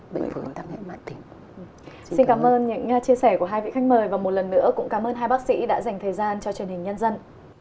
xin cảm ơn những chia sẻ của hai vị khách mời và một lần nữa cũng cảm ơn hai bác sĩ đã dành thời gian cho truyền hình nhân dân